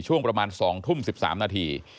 ช่วงประมาณ๒ทุ่ม๑๓นาที